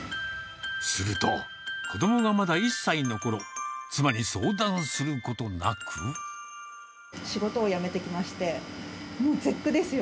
すると、子どもがまだ１歳の仕事を辞めてきまして、もう絶句ですよ。